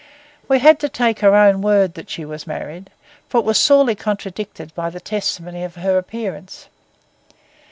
We had to take her own word that she was married; for it was sorely contradicted by the testimony of her appearance.